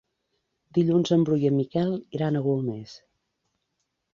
Dilluns en Bru i en Miquel iran a Golmés.